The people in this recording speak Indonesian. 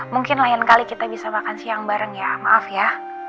mungkin lain kali kita bisa makan siang bareng ya maaf ya